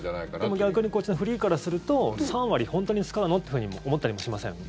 でも、逆にこっちのフリーからすると３割本当に使うのってふうに思ったりもしません？